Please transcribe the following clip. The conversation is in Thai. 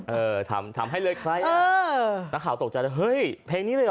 เออถามให้เลยใครอ่ะนักข่าวตกใจเลยเฮ้ยเพลงนี้เลยหรอ